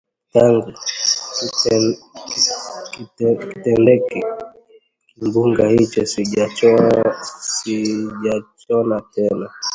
Tangu kitendeke kimbunga hicho sijachona tena